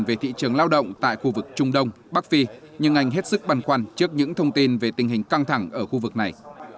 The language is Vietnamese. về thị trường lao động tại khu vực trung đông bắc phi nhưng anh hết sức băn khoăn trước những thông tin về tình hình căng thẳng ở khu vực này